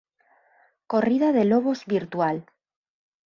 Corrida de lobos virtual.